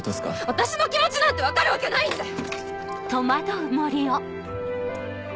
私の気持ちなんて分かるわけないんだよ！